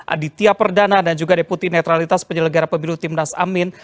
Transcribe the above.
aditya perdana dan juga deputi netralitas penyelenggara pemilu timnas amin